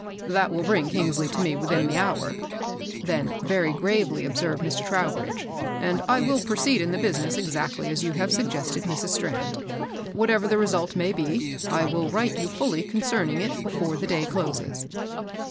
*^ That will bring Eangsley to me within the hour," then very gravely observed Mr. Trow bridge; ^^and I will proceed in the business exactly as you have suggested, Mrs. Strand. Whatever the result may be, I ^11 write jou fully concerning it before the day closes."